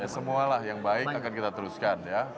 semualah yang baik akan kita teruskan ya